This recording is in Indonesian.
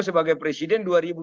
sebagai presiden dua ribu dua puluh